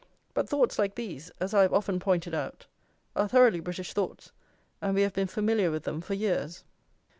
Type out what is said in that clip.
But thoughts like these, as I have often pointed out, are thoroughly British thoughts, and we have been familiar with them for years.